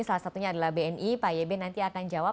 salah satunya adalah bni pak yebe nanti akan jawab